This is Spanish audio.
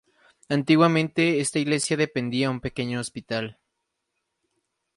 Antiguamente, esta iglesia dependía un pequeño hospital.